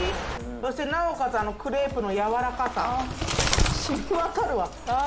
そして、なおかつクレープのやわらかさ、しみわたるわ。